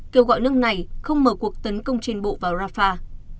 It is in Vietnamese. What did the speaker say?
kêu gọi nước này không mở cuộc tấn công trên bộ vào rafah